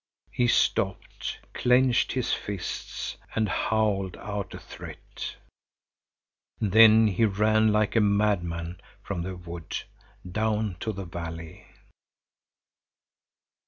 He stopped, clenched his fists and howled out a threat. Then he ran like a madman from the wood down to the valley.